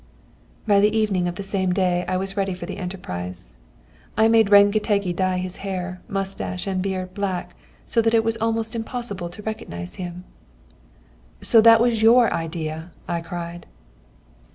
"By the evening of the same day I was ready for the enterprise. I made Rengetegi dye his hair, moustache, and beard black, so that it was almost impossible to recognise him." "So that was your idea!" I cried.